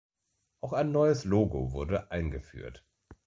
Auch ein neues Logo wurde eingeführt.